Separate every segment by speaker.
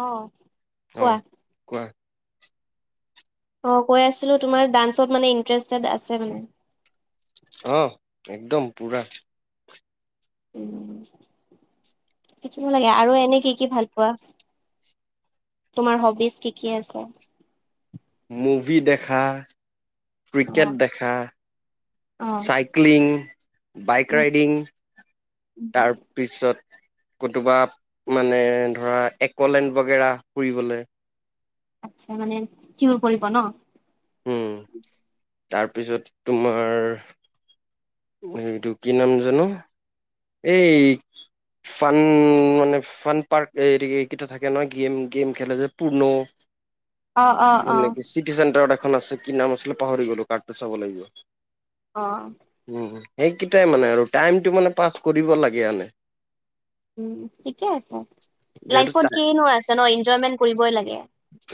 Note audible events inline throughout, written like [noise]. Speaker 1: আহ
Speaker 2: অ কোৱা
Speaker 1: অ কৈ আছিলো তোমাৰ ডান্সত মানে ইণ্টাৰেষ্টেড আছে মানে
Speaker 2: অ একদম পুৰা
Speaker 1: শিকিব লাগে আৰু এনে কি কি ভাল পোৱা তোমাৰ হবিজ কি কি আছে?
Speaker 2: মুভি দেখা,
Speaker 1: অ
Speaker 2: ক্ৰিকেট দেখা।
Speaker 1: অ
Speaker 2: চাইক্লিং, বাইক
Speaker 1: উম
Speaker 2: ৰাইডিং।
Speaker 1: উম
Speaker 2: তাৰ পিছত কতোবা, মানে ধৰা একলেণ্ড বগেৰা ফুৰিবলৈ।
Speaker 1: আচ্ছা মানে কিহোৰ কৰিব ন?
Speaker 2: উম, তাৰপিছত তোমাৰ এইটো কি নাম জানো? এই ফান মানে ফান পাৰ্ক এইকেইটা থাকে নহয় গেম গেম খেলে যে পৰ্ণ
Speaker 1: অ অ অ
Speaker 2: নেকি চিটি চেণ্টাৰত এখন আছে কি নাম আছিলে পাহৰি গ'লো কাৰ্ডটো চাব লাগিব
Speaker 1: অ
Speaker 2: উম সেইকেইটাই মানে আৰু টাইমটো মানে পাছ কৰিব লাগে আনে
Speaker 1: উ ঠিকে আছে
Speaker 2: যিহেতু
Speaker 1: লাইফত কিনো আছে ন এনজয়মেন্ট কৰিবই লাগে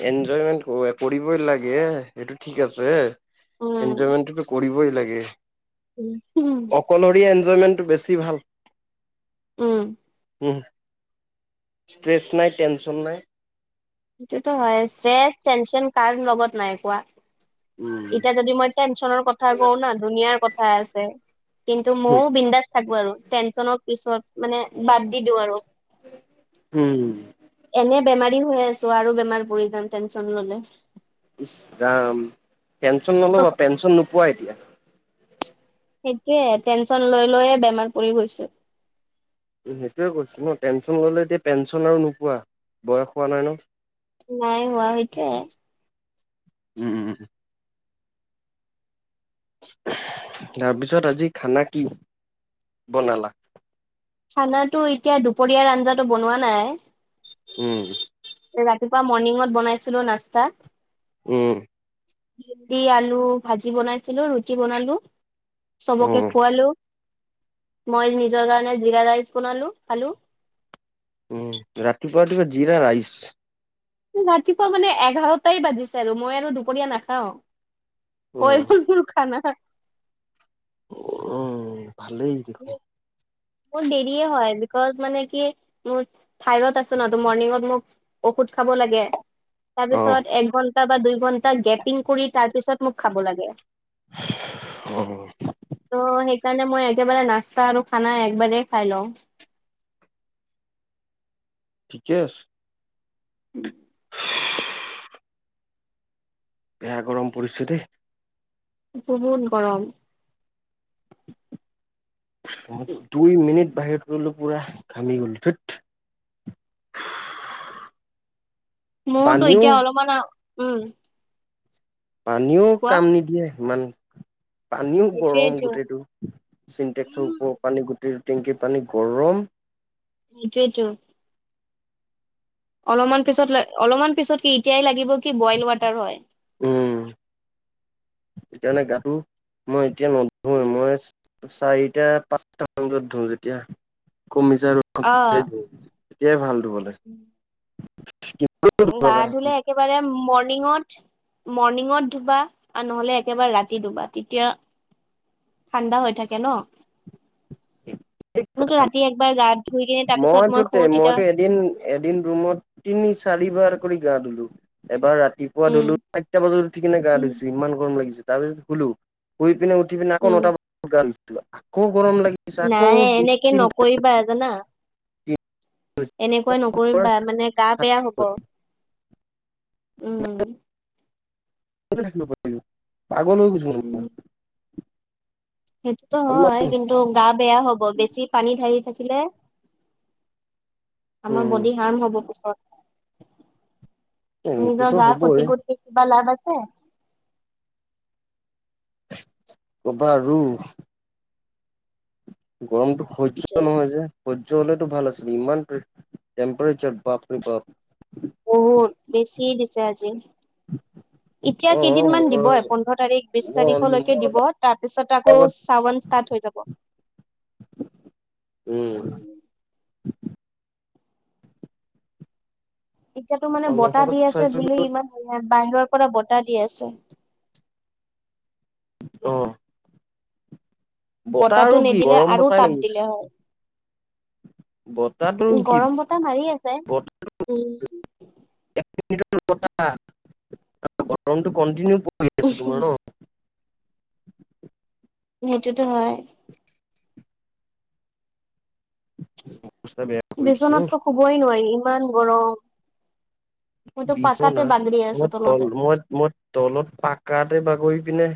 Speaker 2: এনজয়মেন্ট কৰিবই লাগে এইটো ঠিক আছে
Speaker 1: উম
Speaker 2: এনজয়মেণ্টো কৰিবই লাগে
Speaker 1: উম উম
Speaker 2: ইঞ্জয় মেন্তটো বেছি ভাল [unintelligible]
Speaker 1: উম।
Speaker 2: ষ্ট্ৰেছ নাই টেনশন নাই।
Speaker 1: সেইটো হয় ষ্ট্ৰেছ, টেনচন কাৰণ লগত নাই কোৱা? এতিয়া
Speaker 2: উম
Speaker 1: যদি মই টেনচনৰ কথা কওঁ ন ধুনিয়াৰ কথা আছে। কিন্তু মইও বিন্দাস থাকো আৰু টেনচনৰ পিছত মানে বাদ দি দিওঁ আৰু।
Speaker 2: হুম।
Speaker 1: এনে বেমাৰী হৈ আছো আৰু বেমাৰ পৰি যাম টেনছন ললে।
Speaker 2: ইছৰাম, টেনছন নল'বা পেঞ্চন নোপোৱা এতিয়া।
Speaker 1: সেইটোয়ে টেনচন লৈ লৈয়ে বেমাৰ পৰি গৈছো।
Speaker 2: সেইটোয়ে কৈছো ন টেনচন ললে এতিয়া পেন্সন আৰু নোপোৱা বয়স হোৱা নাই ন।
Speaker 1: নাই হোৱা সেইটোৱে।
Speaker 2: উম উম। তাৰপিছত আজি খানা কি বনালা?
Speaker 1: খানাটো এতিয়া দুপৰীয়া আঞ্জাটো বনোৱা নাই।
Speaker 2: উম।
Speaker 1: ৰাতিপুৱা মৰ্ণিঙত বনাইছিলো নাস্তা।
Speaker 2: উম।
Speaker 1: ভিন্দি, আলু ভাজি বনাইছিলো ৰুটি বনালো।
Speaker 2: উম
Speaker 1: চবকে খোৱালো। মই নিজৰ কাৰণে জিৰা ৰাইচ বনালো খালো।
Speaker 2: উম ৰাতিপুৱা তুমি জিৰা ৰাইচ
Speaker 1: ৰাতিপুৱা মানে এঘাৰটাই বাজিছে আৰু মই আৰু দুপৰীয়া নাখাও।
Speaker 2: উম
Speaker 1: হৈ মোৰ খানা।
Speaker 2: উম ভালেই দেখো।
Speaker 1: মোৰ দেৰিয়ে হয় বিকজ মানে কি মোৰ থাইৰত আছে ন মৰনিংঙত মোক ঔষধ খ খাব লাগে।
Speaker 2: অ
Speaker 1: তাৰপিছত এক ঘন্টা বা দুই ঘন্টা গেপিং কৰি তাৰপিছত মোক খাব লাগে।
Speaker 2: অহ।
Speaker 1: সেই কাৰণে মই একেবাৰে নাস্তা আৰু খানা একবাৰেই খাই লওঁ।
Speaker 2: ঠিকে আছে।
Speaker 1: উম।
Speaker 2: বেয়া গৰম পৰিস্থিতি।
Speaker 1: বহুত গৰম
Speaker 2: দুই মিনিট। বাহিৰত গলো পুৰা ঘামি গলো ঠত
Speaker 1: মোৰতো এতিয়া অলপমান উম
Speaker 2: পানীও
Speaker 1: কোৱা
Speaker 2: কাম নিদিয়ে সিমান পানীও গৰম
Speaker 1: সেইটোয়েটো
Speaker 2: গোটেইটো চিন্টেক্সৰ
Speaker 1: উম
Speaker 2: ওপৰত পানী। টেংকিৰ পানী গৰম
Speaker 1: সেইটোৱেইটো অলপমান পিছত অলপমান পিছত কি এতিয়াই লাগিব কি বইল ৱাটাৰ হয়।
Speaker 2: উম, এতিয়া মানে গাটো মই এতিয়া নধোৱে মই চাৰিটা -পাঁচটামান বজাত ধুম যেতিয়া কমি যাব
Speaker 1: অ
Speaker 2: ৰদটো। তেতিয়াই ভাল ধুবলে।
Speaker 1: গা ধুলে একেবাৰে মৰ্ণিঙত। মৰ্ণিঙত ধুবা আৰু নহলে একেবাৰে ৰাতি ধুবা তেতিয়া ঠাণ্ডা হৈ থাকে ন। মোতো ৰাতি একবাৰ ৰা
Speaker 2: মইতো তে মইতো এদিন এদিন ৰুমত তিনি চাৰিবাৰ কৰি গা ধুলো, এবাৰ ৰাতিপুৱা
Speaker 1: উম
Speaker 2: ধুলো চাৰিটা বজাত উঠি কিনে গা
Speaker 1: উম
Speaker 2: ধুইছো ইমান গৰম লাগিছে। তাৰপিছত শুলো, শুই পিনে উঠি পিনে আকৌ
Speaker 1: উম
Speaker 2: নটা বজাত গা ধুইছিলো আকৌ গৰম লাগিছে আকৌ
Speaker 1: নাই
Speaker 2: দুই
Speaker 1: এনেকে নকৰিবা
Speaker 2: তি
Speaker 1: জানা এনেকুৱা নকৰিবা মানে গা বেয়া হ'ব। উম।
Speaker 2: থ পাৰ পাগলৈ গুছ
Speaker 1: উম সেইটোতো হয় কিন্তু গা বেয়া হ'ব। বেছি পানী ঢালি থাকে। আমাৰ
Speaker 2: উম
Speaker 1: বডি হাৰ্ম হ'ব পিছত।
Speaker 2: এইটোতো
Speaker 1: নিজৰ গা
Speaker 2: হ'বই
Speaker 1: ক্ষতি কৰি কিবা লাভ আছে।
Speaker 2: কবা আৰু গৰমটো সহ্য নহয় যে সহ্য হ'লেতো ভাল আছিল ইমান টেম্পাৰেচাৰ বাপৰে বাপ
Speaker 1: জয় জি এতিয়া
Speaker 2: অ
Speaker 1: কেইদিনমান দিব
Speaker 2: মই
Speaker 1: এ পোন্ধৰ তাৰিখ বিশ
Speaker 2: মই মই
Speaker 1: তাৰিখলৈকে দিব
Speaker 2: অলপ
Speaker 1: তাৰ পিছত আকৌ
Speaker 2: আগত
Speaker 1: চাৱন হৈ যাব।
Speaker 2: উ
Speaker 1: এতিয়াতো মানে
Speaker 2: অলপ
Speaker 1: বতাহ
Speaker 2: আগত
Speaker 1: দি আছে
Speaker 2: চাইছিলো
Speaker 1: বুলি। ইমান বাহিৰৰ পৰা বতাহ দি আছে।
Speaker 2: আহ বতাহ
Speaker 1: বতাহটো
Speaker 2: আৰু কি
Speaker 1: নিদিলে
Speaker 2: গৰম
Speaker 1: আৰু
Speaker 2: বতাহ
Speaker 1: তাপ দিলে হয়
Speaker 2: লাগিছে। বতাহটো কি
Speaker 1: গৰম বতাহ মাৰি আছে
Speaker 2: ব
Speaker 1: উম
Speaker 2: গৰমটো কটিনিউ পৰি আছ তোমাৰ ন। [unintelligible]
Speaker 1: সেইটোতো হয়।
Speaker 2: [unintelligible] কৰি দিছে অ
Speaker 1: বিচনাতো শুবই নোৱাৰি ইমান গৰম। মইতো পাকাতে
Speaker 2: বিছনা
Speaker 1: বাগৰি আছো
Speaker 2: মই তল
Speaker 1: তলতে
Speaker 2: মই মই তলত পাকাতে বাগৰি পিনে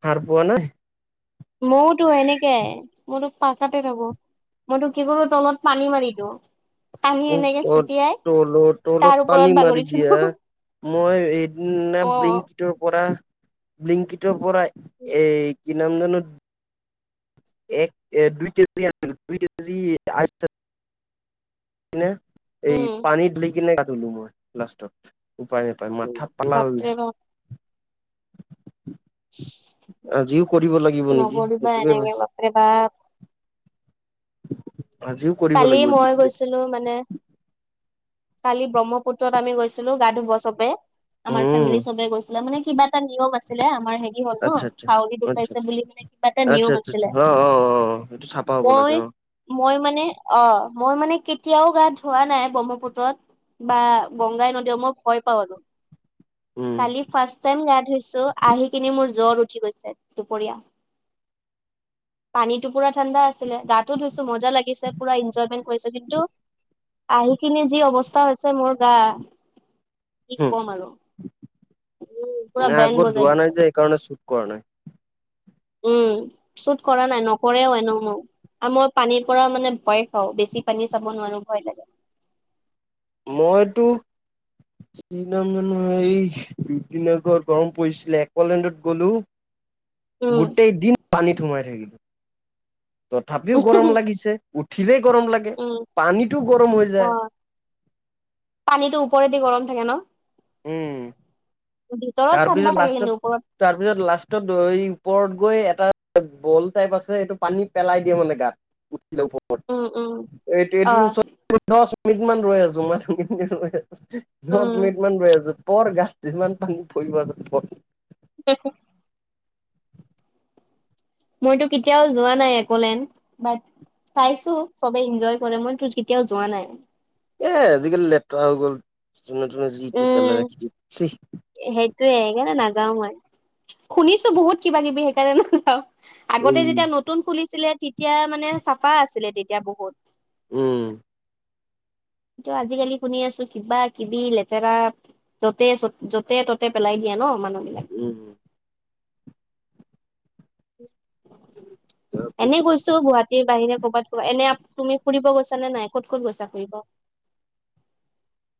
Speaker 2: সাৰ পোৱা নাই।
Speaker 1: মইওতো এনেকে মোৰতো পাকাতে থাকোঁ‌। মইতো কি কৰো তলত পানী মাৰি দিওঁ। পানী
Speaker 2: উ
Speaker 1: এনেকে
Speaker 2: ত
Speaker 1: ছটিয়াই
Speaker 2: তলৰ
Speaker 1: তাৰ
Speaker 2: তলত
Speaker 1: ওপৰত
Speaker 2: পানী
Speaker 1: বাগৰি
Speaker 2: মাৰি
Speaker 1: থাকো
Speaker 2: দিয়া। মই
Speaker 1: অ
Speaker 2: এদিনাকটোৰ পৰা ব্লিংকিতৰ পৰা এই কি নাম জানো এক এ দুই কেজি আ দুই কেজি আ [inaudible] এই
Speaker 1: উম,
Speaker 2: পানী দিকিনে কাটলো মই লাষ্টত উপায় নাপায় মথা বেয়া হয়
Speaker 1: বাপৰে
Speaker 2: গৈছে।
Speaker 1: বাপ।
Speaker 2: [unintelligible] আজিও কৰিব লাগিব নেকি
Speaker 1: নকৰিবা
Speaker 2: সেইটোৱে
Speaker 1: এনেকে বাপৰে বাপ।
Speaker 2: হৈছে।
Speaker 1: কালি
Speaker 2: লাগিব
Speaker 1: মই গৈছিলো মানে কালি ব্ৰহ্মপুত্ৰত আমি গৈছিলো গা ধুব চবে আমাৰ
Speaker 2: উম
Speaker 1: ফেমিলি চবে গৈছিলে মানে কিবা এটা নিয়ম আছিলে। আমাৰ হেৰি হ'ল ন
Speaker 2: আচ্ছা আচ্ছা
Speaker 1: হাউৰি
Speaker 2: আচ্ছা
Speaker 1: দুখাইছে বুলি মানে কিবা এটা
Speaker 2: আ আচ্ছা
Speaker 1: নিয়ম
Speaker 2: আচ্ছা
Speaker 1: আছিলে
Speaker 2: অ অ অ সেইটো চাফা হব লাগে।
Speaker 1: মই
Speaker 2: অ
Speaker 1: মই মানে অ মই মানে কেতিয়াও গা ধোৱা নাই ব্ৰহ্মপুত্ৰত বা গংগাই নদী মই ভয় পাৱ আৰু।
Speaker 2: উম
Speaker 1: কালি ফাষ্ট টাইম গা ধুইছো আহি কিনি মোৰ জ্বৰ উঠি গৈছে দুপৰীয়া। পানীতো পুৰা ঠাণ্ডা আছিলে। গাতো ধুইছো মজা লাগিছে। পুৰা এনজয়মেন্ট কৰিছো কিন্তু আহি কিনে যি অৱস্থা হৈছে মোৰ গা কি কম আৰু। উম
Speaker 2: ন
Speaker 1: পুৰা বেন
Speaker 2: আগত
Speaker 1: বজাই
Speaker 2: ধোৱা
Speaker 1: দিছে
Speaker 2: নাই যে এইকাৰণে চুট কৰা নাই।
Speaker 1: উম চুত কৰা নাই নকৰেও এনো মোক আৰু মই পানীৰ পৰা মানে ভয় খাওঁ বেছি পানী চাব নোৱাৰো ভয় লাগে।
Speaker 2: মইতো এই দুইদিনৰ ঘৰ গৰম পৰিছিলে একলেণ্ডত গ'লো।
Speaker 1: উম
Speaker 2: [unintelligible] গোটেই দিন পানীত সোমাই থাকিলো। তথাপিও গৰম লাগিছে উঠিলেই গৰম লাগে
Speaker 1: উম
Speaker 2: পানীটো গৰম হৈ
Speaker 1: অ
Speaker 2: যায়।
Speaker 1: পানীটো ওপৰেদি গৰম থাকে ন।
Speaker 2: উম।
Speaker 1: ভিতৰত ঠাণ্ডা
Speaker 2: তাৰপিছত
Speaker 1: থাকে
Speaker 2: লাষ্টত
Speaker 1: কিন্তু ওপৰত
Speaker 2: তাৰপিছত লাষ্ট ওপৰত গৈ এটা বল টাইপ আছে সেইটো পানীত পেলাই দিয়ে মানে গাত।
Speaker 1: উম উম
Speaker 2: এইটো
Speaker 1: অ
Speaker 2: এইটো দুফিতমান দূৰত ৰৈ আছো মাত শুনি
Speaker 1: উম
Speaker 2: শুনি ৰৈ আছো ওপৰত গাত ইমান পানী [unintelligible] থাকিব [unintelligible]
Speaker 1: দেখো মইতো কেতিয়াও যোৱা নাই একলেণ্ড [unintelligible] চাইছো চবে ইঞ্জয় কৰে মইতো কেতিয়াও যোৱা নাই।
Speaker 2: এ আজিকালি লেতেৰা হৈ গ'ল যোনে তোনে যি তি পেলাই ৰাখি দি চি [unintelligible]
Speaker 1: য়ে সেইকাৰণে নাযাও মই শুনিছো বহুত কিবা কিবি সেইকাৰণে নাযাও। আগতে
Speaker 2: উম
Speaker 1: যেতিয়া নতুন খুলিছিলে তেতিয়া মানে চাফা আছিলে তেতিয়া বহুত।
Speaker 2: উম।
Speaker 1: টো আজিকালি শুনি আছো কিবা কিবি লেতে লেতেৰা যতে য'তে ততে পেলাই দিয়ে ন মানুহ বিলাক
Speaker 2: উম তাৰপিছ
Speaker 1: এনে গৈছো গুৱাহাটীৰ বাহিৰে কবাত এনে তুমি ফুৰিব গৈছা? ছ নে নাই ক'ত ক'ত গৈছা ফুৰিব?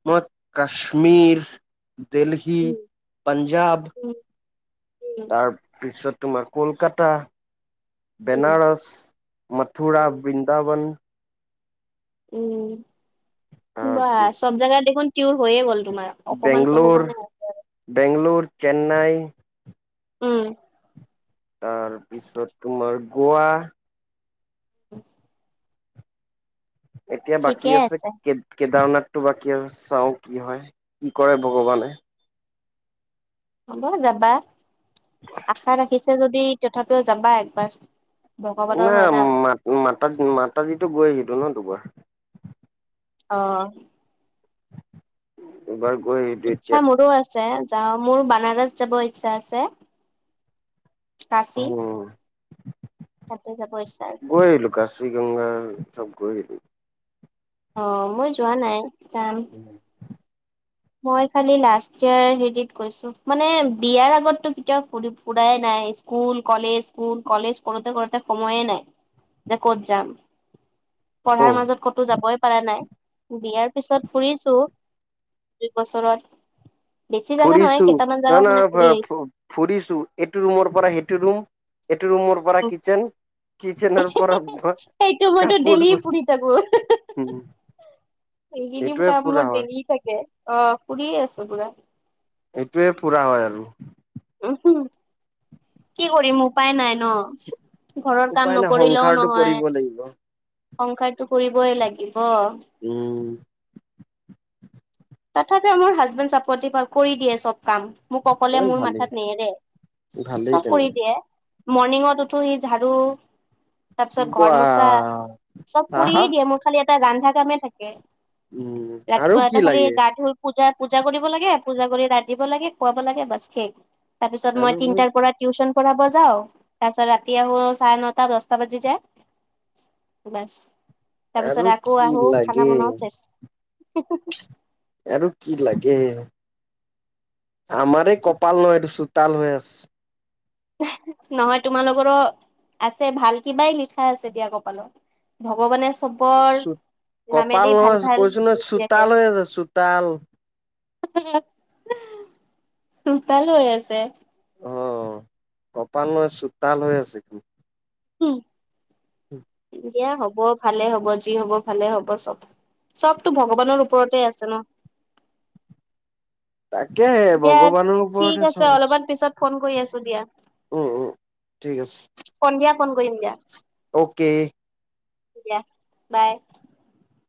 Speaker 2: মই কাশ্মীৰ দেলহী
Speaker 1: উম
Speaker 2: পাঞ্জাৱ
Speaker 1: উম
Speaker 2: তাৰপিছত তোমাৰ কলকাতা
Speaker 1: উম উম
Speaker 2: বেনাৰস, মথুৰা বৃন্দাবন
Speaker 1: উম
Speaker 2: তাৰ
Speaker 1: বা সব জাগা দেখোন হৈয়ে গল। তোমাৰ অকমান
Speaker 2: বেংগলৰ
Speaker 1: চকমানে
Speaker 2: বেংগলৰ, চেন্নাই
Speaker 1: উম
Speaker 2: তাৰপিছত তোমাৰ গৌৱা
Speaker 1: - [inaudible]
Speaker 2: এতিয়া বাকী আছে কেদাৰনাথ তো বাকি চাও কি হয় কি কৰে ভগৱানে
Speaker 1: হ'ব যাবা আশা ৰাখিছে যদি তথাপিও যাবা একবাৰ। ভগৱানৰ
Speaker 2: নাই
Speaker 1: হয় না
Speaker 2: মাত মাতা মাতাজীটো গৈ আহো ন দুবাৰ।
Speaker 1: অ'।
Speaker 2: এবাৰ। গৈ আহিলো
Speaker 1: ইচ্ছা
Speaker 2: এতিয়া
Speaker 1: মোৰো আছে। যাওঁ মোৰ বানাৰস যাব ইচ্ছা আছে। কাচি
Speaker 2: উম
Speaker 1: তাতে যাব ইচ্ছা আছে।
Speaker 2: গৈ আহিলো কাশী গংগা চব গৈ আহিলোঁ।
Speaker 1: অ' মই যোৱা নাই কাম মই খালি লাষ্ট ইয়েৰ হেৰিত গৈছো মানে বিয়াৰ আগতটো কেতিয়াও ফুৰাই নাই। স্কুল কলেজ স্কুল কলেজ কৰোতে কৰোতে সময়ে নাই। যে ক'ত যাম।। পঢ়াৰ
Speaker 2: উম
Speaker 1: মাজত ক'তো যাবই পাৰা নাই বিয়াৰ পিছত ফুৰিছো। দুই বছৰত বেছি জাগা নহয়
Speaker 2: ফুৰিছো
Speaker 1: কেইটামান
Speaker 2: না
Speaker 1: জাগা
Speaker 2: না
Speaker 1: মানে ফুৰি আহিছো
Speaker 2: ফুৰিছো এইটো ৰুমৰ পৰা সেইটো ৰুম এইটো ৰুমৰ পৰা কিচেন।। কিচেনৰ পৰা
Speaker 1: সেইটো মইতো
Speaker 2: কাপোৰ
Speaker 1: ডেইলি
Speaker 2: ধুব উম।
Speaker 1: সেইখিনি কাম মোৰ দেৰি থাকে অ' ফুৰিয়ে আছো পুৰা।
Speaker 2: এইটোৱে পুৰা হয় আৰু।
Speaker 1: উম হম কি কৰিম উপায় নাই ন ঘৰত কাম
Speaker 2: উপায় নাই
Speaker 1: নকৰিলেও
Speaker 2: সংসাৰটো
Speaker 1: নহয়।
Speaker 2: কৰিব লাগিব
Speaker 1: সংসাৰতটো কৰিবই লাগিব।
Speaker 2: উম।
Speaker 1: তথাপি আমাৰ হাজবেণ্ড চাপৰ্টি কৰি দিয়ে চব। কাম মোক অকলে
Speaker 2: ইমান
Speaker 1: মোৰ
Speaker 2: ভালেই
Speaker 1: মাথাত নেহেৰে
Speaker 2: ভালেই
Speaker 1: চব কৰি
Speaker 2: তেনে
Speaker 1: দিয়ে। মৰ্ণিঙত উঠো সি ঝাড়ু তাৰ পিছত
Speaker 2: বা
Speaker 1: ঘৰ মচা চব
Speaker 2: আহা
Speaker 1: কৰিয়ে দিয়ে। মোৰ খালি এটা ৰন্ধা কামে থাকে।
Speaker 2: উম আৰু কি লাগে।
Speaker 1: ধূপ পূজা পূজা কৰিব লাগে। পূজা কৰি ৰান্ধিব লাগে খুৱাব লাগে বছ সেই তাৰ পিছত
Speaker 2: আৰু
Speaker 1: মই তিনটাৰ পৰা টিউচন কৰাব যাওঁ। তাৰপিছত ৰাতি আহোঁ চাৰে নটা দহটা বাজি যায়। বাছ।
Speaker 2: আৰু
Speaker 1: তাৰপিছত আকৌ
Speaker 2: কি
Speaker 1: আহো খানা
Speaker 2: লাগে
Speaker 1: বনাও চেছ।
Speaker 2: আৰু কি লাগে। আমাৰে কপাল নহয় এইটো চোতাল হৈ আছে
Speaker 1: নহয় তোমালোকৰো আছে ভাল কিবাই লিখা আছে দিয়া কপালত। ভগৱানে চবৰ
Speaker 2: আছে কপাল
Speaker 1: নামেদি ভাল
Speaker 2: নহয়
Speaker 1: ভাল
Speaker 2: কৈছো নহয়
Speaker 1: লিখি ৰাখে।
Speaker 2: চোতাল হৈ আছে। চোতাল।
Speaker 1: ভাল হে চোতাল হৈ আছে।
Speaker 2: অ' কপাল নয় চোতাল হৈ আছে কিন্তু
Speaker 1: হম। এতিয়া হ'ব ভালে হ'ব যি হ'ব ভালে হ'ব চব চবতটো ভগৱানৰ ওপৰতে আছে ন।
Speaker 2: তাকে
Speaker 1: দিয়া
Speaker 2: ভগৱানৰ
Speaker 1: ঠিক
Speaker 2: ওপৰতহে
Speaker 1: আছে
Speaker 2: চব
Speaker 1: অলপমান পিছত ফোন কৰি আছো দিয়া।
Speaker 2: উম উম ঠিক আছে।
Speaker 1: সন্ধিয়া ফোন কৰিম দিয়া
Speaker 2: অকে।
Speaker 1: দিয়া বাই।